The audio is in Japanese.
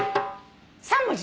３文字。